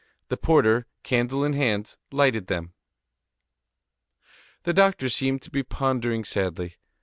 The porter, candle in hand, lighted them. The doctor seemed to be pondering sadly.